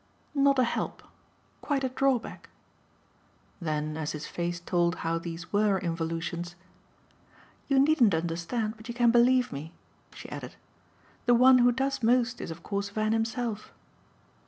"Not a help. Quite a drawback." Then as his face told how these WERE involutions, "You needn't understand, but you can believe me," she added. "The one who does most is of course Van himself."